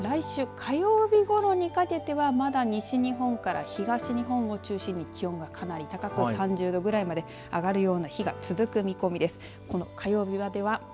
まず、来週火曜日ごろにかけてはまだ西日本から東日本を中心に気温がかなり高く３０度ぐらいまで上がるような日が続く見込みです。